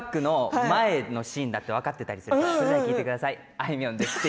あいみょんですって。